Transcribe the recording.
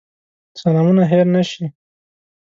سلامونه هېر نه شي.